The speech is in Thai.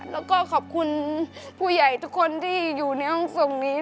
แล้วก็ขอบคุณผู้ใหญ่ทุกคนที่อยู่ในห้องทรงนี้